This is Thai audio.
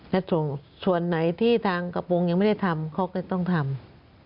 และส่วนไหนที่ทางกระโปรงยังไม่ได้ทำเขาก็ต้องทำ